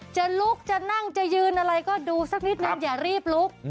จะลุกจะนั่งจะยืนอะไรก็ดูสักนิดนึงอย่ารีบลุก